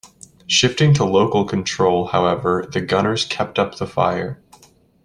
Shifting to local control, however, the gunners kept up the fire.